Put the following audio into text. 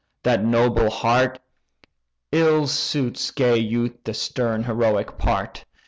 that noble heart; Ill suits gay youth the stern heroic part.